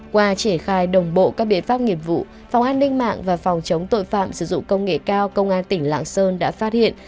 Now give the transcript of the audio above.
qua triển khai đồng bộ các biện pháp nghiệp vụ phòng an ninh mạng và phòng chống tội phạm sử dụng công nghệ cao công an tỉnh lạng sơn đã phát hiện